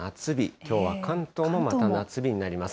きょうは関東も、また夏日になります。